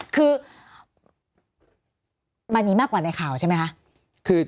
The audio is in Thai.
คือมันมีมากกว่าในข่าวใช่ไหมคะ